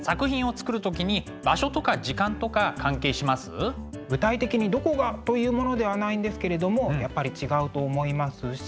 ちなみに井上さんは具体的にどこがというものではないんですけれどもやっぱり違うと思いますし。